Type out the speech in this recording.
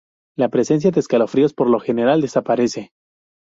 La presencia de escalofríos por lo general desaparece.